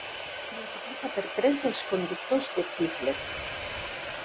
Multiplica per tres els conductors de cicles.